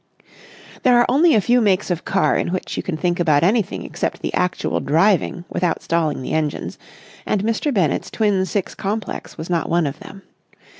There are only a few makes of car in which you can think about anything except the actual driving without stalling the engines, and Mr. Bennett's Twin Six Complex was not one of them.